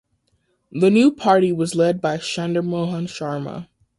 The new party was led by Chandermohan Sharma.